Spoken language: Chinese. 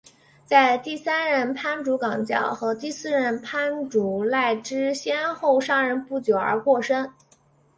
在第三任藩主纲教和第四任藩主赖织先后上任不久而过身。